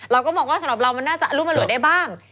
เราก็มองว่าสำหรับเรามันน่าจะอรุมอร่วยได้บ้าง